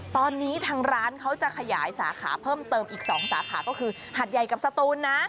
ตอนนี้ทางร้านเขาจะขยายสาขาเพิ่มเติมอีก๒สาขาก็คือหัดใหญ่กับสตูนนะ